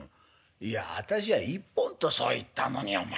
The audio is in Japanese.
いやあたしゃ１本とそう言ったのにお前